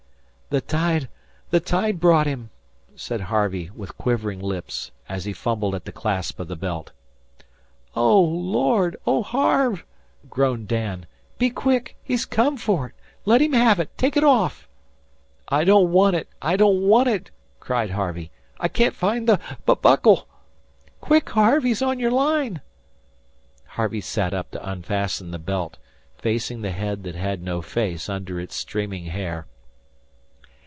"The tide the tide brought him!" said Harvey with quivering lips, as he fumbled at the clasp of the belt. "Oh, Lord! Oh, Harve!" groaned Dan, "be quick. He's come for it. Let him have it. Take it off." "I don't want it! I don't want it!" cried Harvey. "I can't find the bu buckle." "Quick, Harve! He's on your line!" Harvey sat up to unfasten the belt, facing the head that had no face under its streaming hair.